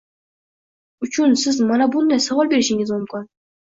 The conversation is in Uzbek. uchun siz mana bunday savol berishingiz mumkin: